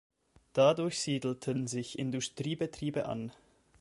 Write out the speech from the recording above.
Dadurch siedelten sich Industriebetriebe an.